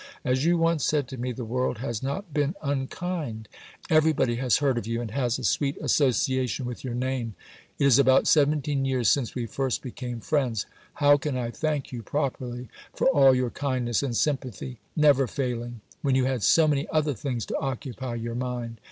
As you once said to me "the world has not been unkind." Everybody has heard of you and has a sweet association with your name. It is about 17 years since we first became friends. How can I thank you properly for all your kindness and sympathy never failing when you had so many other things to occupy your mind?